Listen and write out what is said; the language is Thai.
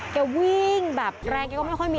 แกวิ่งแบบแรงแกก็ไม่ค่อยมี